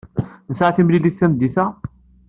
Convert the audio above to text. Nesɛa timlilit tameddit-a?